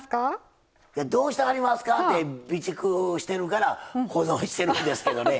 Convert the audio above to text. いやどうしてはりますかって備蓄してるから保存してるんですけどね。